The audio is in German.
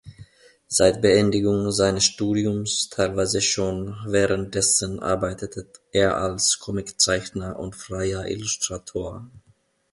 Seit Beendigung seines Studiums, teilweise schon währenddessen, arbeitet er als Comiczeichner und freier Illustrator.